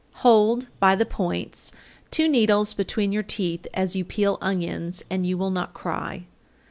_ 860. Hold, by the points, two needles between your teeth, as you peel onions, and you will not cry.